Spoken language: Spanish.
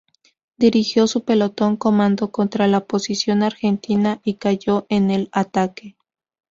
Dirigió su pelotón comando contra la posición argentina y cayó en el ataque.